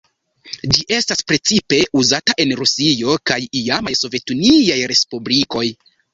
Ĝi estas precipe uzata en Rusio kaj iamaj Sovetuniaj Respublikoj.